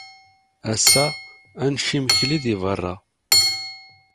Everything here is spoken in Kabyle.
Ass-a, ad nečč imekli deg beṛṛa.